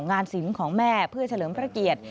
งานศิลป์ของแม่เพื่อเฉลิมพระเกียรติ